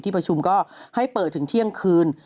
ประชุมก็ให้เปิดถึงเที่ยงคืน